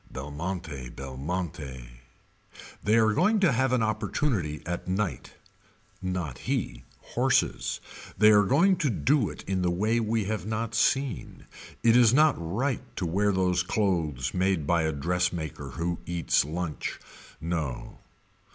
Belmonte Belmonte. They are going to have an opportunity at night. Not he. Horses. They are going to do it in the way we have not seen. It is not right to wear those clothes made by a dressmaker who eats lunch. No.